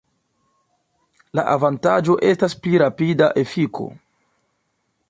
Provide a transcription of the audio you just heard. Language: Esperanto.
La avantaĝo estas pli rapida efiko.